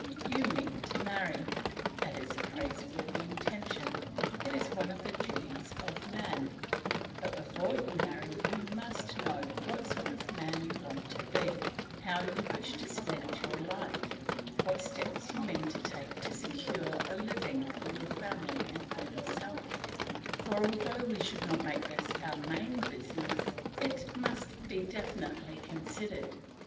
You mean to marry; that is a praiseworthy intention, it is one of the duties of man; but before you marry you must know what sort of man you want to be, how you wish to spend your life, what steps you mean to take to secure a living for your family and for yourself; for although we should not make this our main business, it must be definitely considered.